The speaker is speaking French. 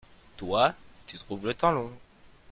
toi, tu trouves le temps long.